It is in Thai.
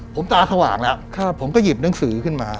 ผมตาสว่างแล้วผมก็หยิบหนังสือขึ้นมา